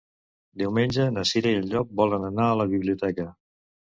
Diumenge na Cira i en Llop volen anar a la biblioteca.